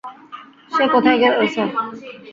সে কোথায় গেল, স্যার?